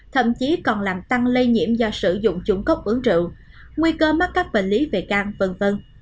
thậm chí còn làm tăng lây nhiễm do sử dụng chủng cốc uống rượu nguy cơ mắc các bệnh lý về can v v